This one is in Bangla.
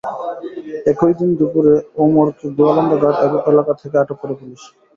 একই দিন দুপুরে ওমরকে গোয়ালন্দ ঘাট এলাকা থেকে আটক করে পুলিশ।